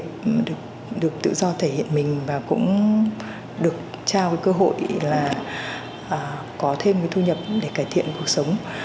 trải nghiệm được tự do thể hiện mình và cũng được trao cơ hội là có thêm cái thu nhập để cải thiện cuộc sống